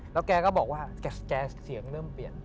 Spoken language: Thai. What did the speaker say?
แล้วแกก็บอกว่าแกเสียงเริ่มเปลี่ยน